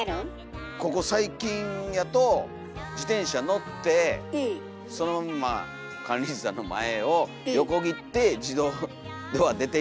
ここ最近やと自転車乗ってそのまま管理人さんの前を横切って自動ドア出ていったんです。